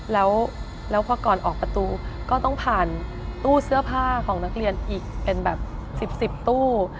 แล้วพอก่อนออกประตูก็ต้องผ่านตู้เสื้อผ้าของนักเรียนอีกเป็นแบบ๑๐๑๐ตู้